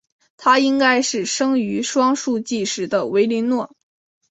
她应该是生于双树纪时的维林诺。